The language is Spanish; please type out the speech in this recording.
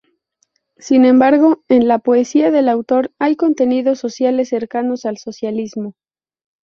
Sin embargo, en la poesía del autor hay contenidos sociales cercanos al socialismo.